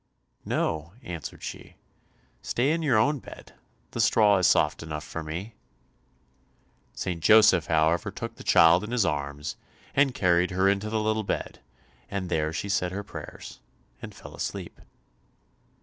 "No," answered she, "stay in your own bed, the straw is soft enough for me." St. Joseph, however, took the child in his arms, and carried her into the little bed, and there she said her prayers, and fell asleep.